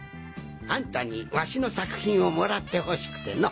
あんたにワシの作品を貰ってほしくての。